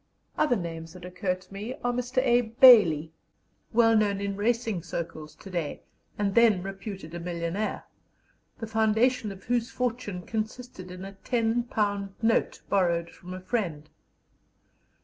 Other names that occur to me are Mr. Abe Bailey, well known in racing circles to day, and then reputed a millionaire, the foundation of whose fortune consisted in a ten pound note borrowed from a friend.